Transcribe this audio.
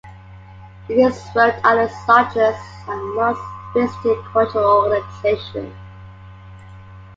It is Rhode Island's largest and most-visited cultural organization.